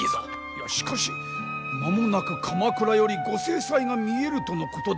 いやしかし間もなく鎌倉よりご正妻が見えるとのことではないか。